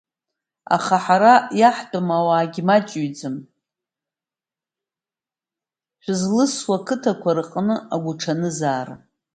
Аха ҳара иаҳтәым ауаагьы маҷыҩӡам, шәызлысуа ақыҭақәа рҟны, агәҽанызаара…